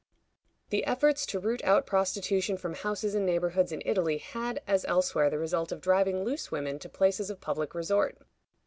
The efforts to root out prostitution from houses and neighborhoods in Italy had, as elsewhere, the result of driving loose women to places of public resort.